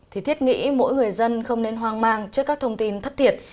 thì thiết nghĩ mỗi người dân không nên hoang mang trước các thông tin thất thiệt